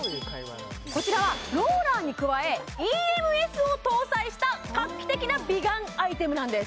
こちらはローラーに加えＥＭＳを搭載した画期的な美顔アイテムなんです